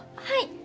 はい！